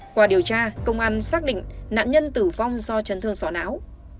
qua điều tra công an xác định nạn nhân tử vong do chấn thương sọ não